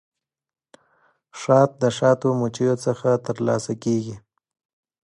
شات د شاتو مچیو څخه ترلاسه کیږي